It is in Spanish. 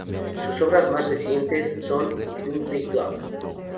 Sus obras mas recientes son y Doomsday Clock.